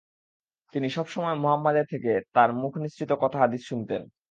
তিনি সবসময় মুহাম্মাদের থেকে তার মুখ নিসৃত কথা হাদিস শুনতেন।